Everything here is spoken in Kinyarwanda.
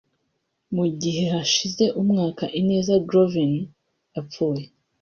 Mu gihe hashize umwaka Ineza Glovin apfuye